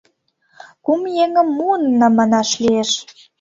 — Кум еҥым муынна манаш лиеш.